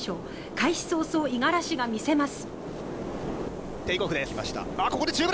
開始早々、五十嵐が見せます。